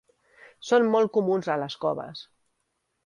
Són molt comuns a les coves.